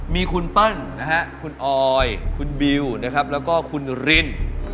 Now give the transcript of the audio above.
มีคุณปั้นคุณออยคุณบิวแล้วก็คุณริน